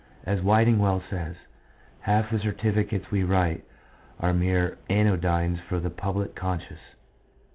As Whiteing well says, " Half the certificates we write are mere anodynes for the public conscience."